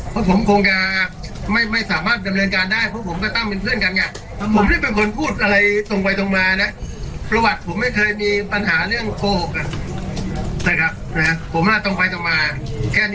เพราะผมคงก็ไม่สามารถปรับเรินการได้เพราะผมก็ต้องเป็นเพื่อนกันไงผมได้เป็นคนพูดอะไรตรงไว้ตรงมานะประวัติผมไม่เคยมีปัญหาเรื่องโกหกครับผมน่าต้องไปมาแค่เนี้ย